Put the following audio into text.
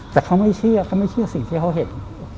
แต่เขาไม่เชื่อสิ่งที่เขาเห็น